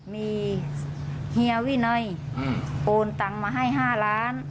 มีเฮียวินัยโอนตังมาให้๕ล้าน